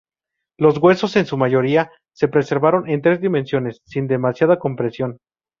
Los huesos en su mayoría se preservaron en tres dimensiones, sin demasiada compresión.